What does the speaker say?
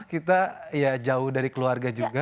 kita ya jauh dari keluarga juga